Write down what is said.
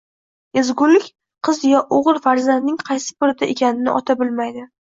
Ezgulik qiz yo o’g’il farzandning qaysi birida ekanini ota bilmaydi.